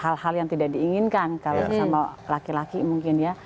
hal hal yang tidak diinginkan kalau sama laki laki mungkin ya